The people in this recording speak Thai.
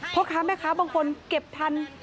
พ่อค้าแม่ค้าบางคนเก็บทัน